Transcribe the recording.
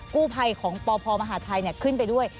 กู้ภัยของปพมหาทัยขึ้นไปด้วย